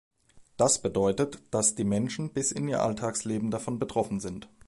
Das bedeutet, dass die Menschen bis in ihr Alltagsleben davon betroffen sind.